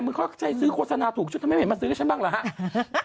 มึงเข้าใจซื้อโฆษณาถูกฉันทำไมไม่มาซื้อกับฉันบ้างหรือฮะ